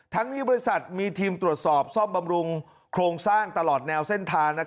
นี้บริษัทมีทีมตรวจสอบซ่อมบำรุงโครงสร้างตลอดแนวเส้นทาง